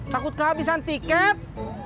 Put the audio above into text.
takut kehabisan tiket